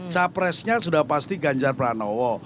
capresnya sudah pasti ganjar pranowo